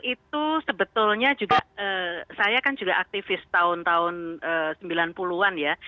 itu sebetulnya juga saya kan juga aktivis tahun tahun sembilan puluh an ya